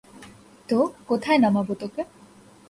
তো, কোথায় নামাবো তোকে?